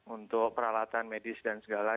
untuk peralatan medis dan segala